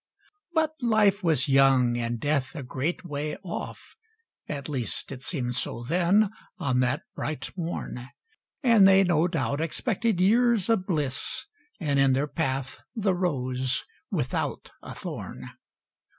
But life was young, and death a great way off, At least it seemed so then, on that bright morn; And they no doubt, expected years of bliss, And in their path the rose without a thorn.